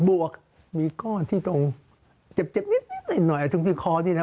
บวกมีก้อนที่ตรงเจ็บนิดหน่อยตรงที่คอนี่นะ